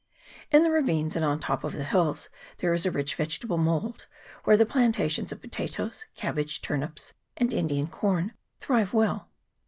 In the ravines and on the top of the hills there is a rich vegetable mould, where the plantations of potatoes, cabbage, turnips, and Indian corn thrive well.